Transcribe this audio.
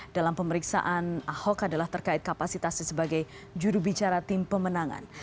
dalam pemeriksaan ahok adalah terkait kapasitasnya sebagai jurubicara tim pemenangan